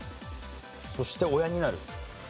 『そして親になる』。